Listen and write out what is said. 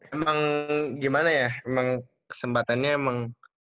emang gimana ya emang kesempatannya emang